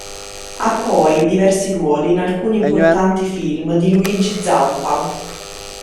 Ha poi diversi ruoli in alcuni importanti film di Luigi Zampa.